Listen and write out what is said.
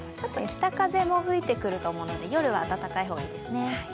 北風も吹いてくると思うので夜は暖かい方がいいですね。